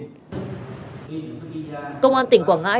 công an tỉnh quảng ngãi đã phát hiện một số công dân